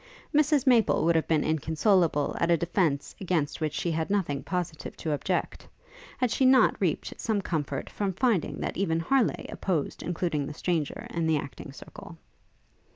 Mrs Maple would have been inconsolable at a defence against which she had nothing positive to object, had she not reaped some comfort from finding that even Harleigh opposed including the stranger in the acting circle.